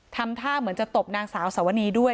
ทำท่าเหมือนจะตบนางสาวสวนีด้วย